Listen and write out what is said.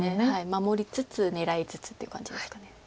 守りつつ狙いつつっていう感じですか。